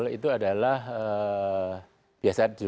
karena dia itu bisa menggunakan flight control